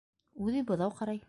Үҙе быҙау ҡарай.